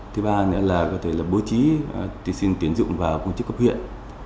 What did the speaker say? thứ ba nữa là có thể bố trí tùy xin tiến dụng vào công chức cấp huyện